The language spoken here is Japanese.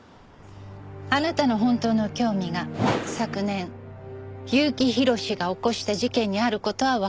あなたの本当の興味が昨年結城宏が起こした事件にある事はわかっています。